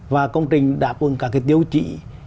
và công trình đã có cả cái tiêu trị